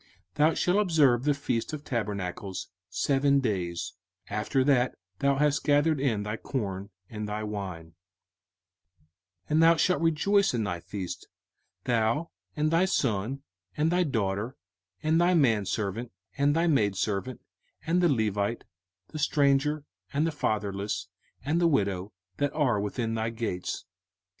05:016:013 Thou shalt observe the feast of tabernacles seven days, after that thou hast gathered in thy corn and thy wine: 05:016:014 And thou shalt rejoice in thy feast, thou, and thy son, and thy daughter, and thy manservant, and thy maidservant, and the Levite, the stranger, and the fatherless, and the widow, that are within thy gates.